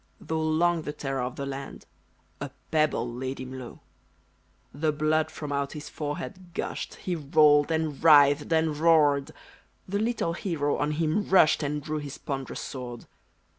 Though long the terror of the land, A pebble laid him low. The blood from out his forehead gushed. He rolled, and writhed, and roared: The little hero on him rushed, And drew his ponderous sword.